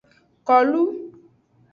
Kolu.